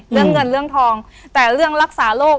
เรื่องเงินเรื่องทองแต่เรื่องรักษาโรค